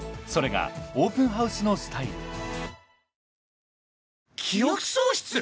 ［それがオープンハウスのスタイル］